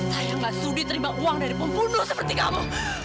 sayang mas sudi terima uang dari pembunuh seperti kamu